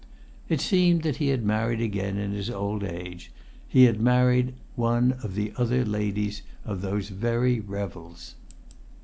It seemed that he had married again in his old age; he had married one of the other ladies of those very revels.